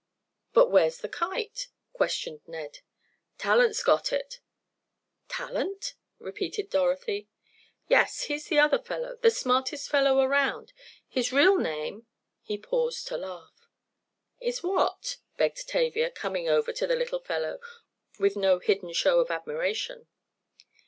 "But where's the kite?" questioned Ned. "Talent's got it." "Talent?" repeated Dorothy. "Yes, he's the other fellow—the smartest fellow around. His real name—" he paused to laugh. "Is what?" begged Tavia, coming over to the little fellow, with no hidden show of admiration.